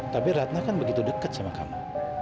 tapi ratna kan begitu dekat sama kamu